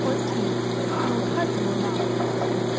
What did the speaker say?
AN UNPARDONABLE WRONG.